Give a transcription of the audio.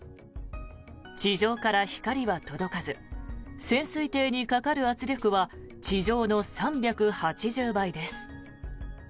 地上から光は届かず潜水艇にかかる圧力は地上の３８０倍です。